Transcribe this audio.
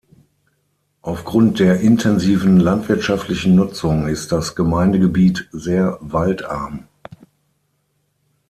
Auf Grund der intensiven landwirtschaftlichen Nutzung ist das Gemeindegebiet sehr waldarm.